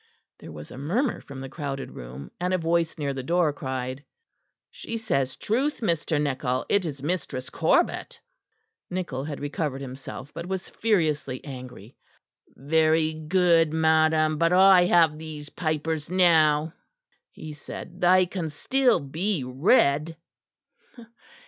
There was a murmur from the crowded room, and a voice near the door cried: "She says truth, Mr. Nichol. It is Mistress Corbet." Nichol had recovered himself, but was furiously angry. "Very good, madam, but I have these papers now," he said, "they can still be read."